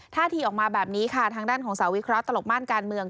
ท่าทีออกมาแบบนี้ค่ะทางด้านของสาวิเคราะหลบม่านการเมือง